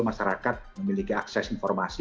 masyarakat memiliki akses informasi